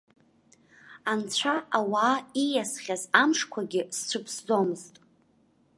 Анцәа-ауаа, ииасхьаз амшқәагьы сцәыԥсӡомызт.